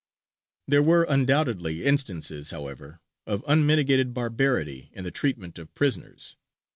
There were undoubtedly instances, however, of unmitigated barbarity in the treatment of prisoners.